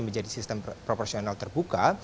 menjadi sistem proporsional terbuka